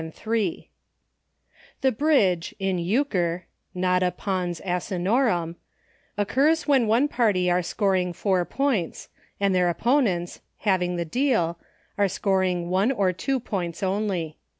and III The Bridge, in Euchre, — not & pons asino rum, — occurs when one party are scoring four points, and their opponents, having the deal, are scoring one or two points only.